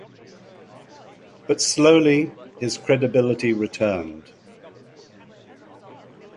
But slowly his credibility returned.